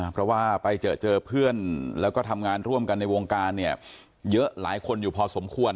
เพราะว่าไปเจอเพื่อนแล้วก็ทำงานร่วมกันในวงการเนี่ยเยอะหลายคนอยู่พอสมควร